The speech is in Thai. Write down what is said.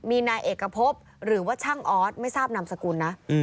มีนายเอกพบหรือว่าช่างออสไม่ทราบนามสกุลนะ